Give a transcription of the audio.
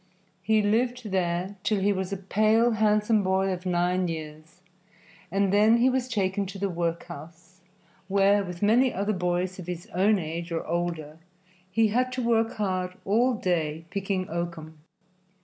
He lived there till he was a pale, handsome boy of nine years, and then he was taken to the workhouse, where, with many other boys of his own age or older, he had to work hard all day picking oakum.